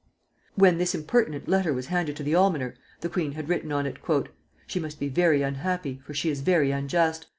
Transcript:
When this impertinent letter was handed to the almoner, the queen had written on it: "She must be very unhappy, for she is very unjust.